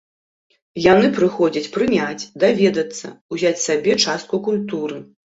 Яны прыходзяць прыняць, даведацца, узяць сабе частку культуры.